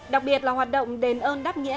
đặc biệt là hoạt động đền ơn đáp nghĩa